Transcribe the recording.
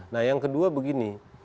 nah yang kedua begini